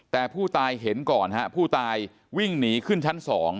แต่ผู้ตายเห็นก่อนฮะผู้ตายวิ่งหนีขึ้นชั้น๒